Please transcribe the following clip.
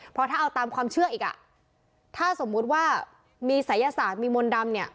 เพราะถ้าเอาตามความเชื่ออีกอ่ะถ้าสมมุติว่ามีศัยศาสตร์มีมนต์ดำเนี่ย